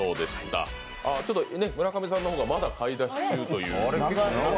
ちょっと村上さんの方がまだ買い出し中という。